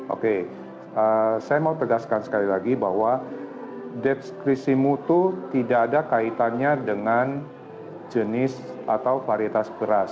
oke saya mau tegaskan sekali lagi bahwa deskripsi mutu tidak ada kaitannya dengan jenis atau varitas beras